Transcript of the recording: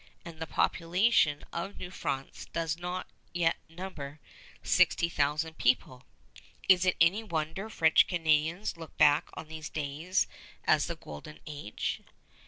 And the population of New France does not yet number 60,000 people. Is it any wonder French Canadians look back on these days as the Golden Age?